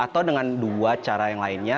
kami menggunakan dua cara yang lainnya